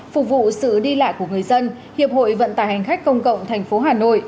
phục vụ sự đi lại của người dân hiệp hội vận tải hành khách công cộng tp hà nội